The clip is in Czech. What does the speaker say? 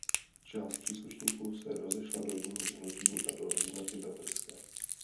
Část příslušníků se rozešla do jiných hnutí a do Jednoty bratrské.